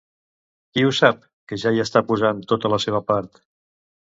Qui ho sap, que ja hi està posant tota la seva part?